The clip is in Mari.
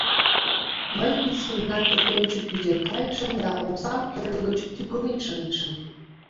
Мый писын гына пӧртӧнчык кӱзен кайышым да омсам кӧргӧ гыч тӱкылен шындышым.